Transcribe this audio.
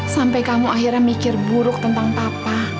sampai kamu akhirnya mikir buruk tentang papa